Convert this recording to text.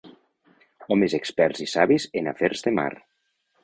Homes experts i savis en afers de mar.